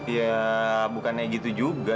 ya bukannya gitu juga